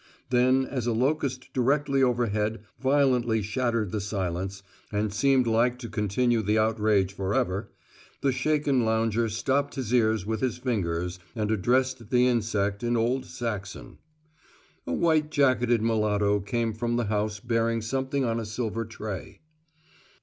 Then, as a locust directly overhead violently shattered the silence, and seemed like to continue the outrage forever, the shaken lounger stopped his ears with his fingers and addressed the insect in old Saxon. A white jacketed mulatto came from the house bearing something on a silver tray.